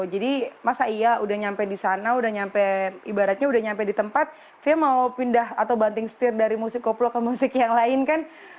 jadi masa iya udah nyampe di sana udah nyampe ibaratnya udah nyampe di tempat fia mau pindah atau banting setir dari musik koplo ke musik yang lain kan